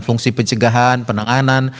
fungsi pencegahan penanganan